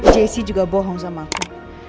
jessie juga bohong sama aku